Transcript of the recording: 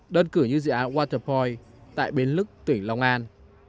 đơn cử như dự án waterpoint tại bến lức tuyển long an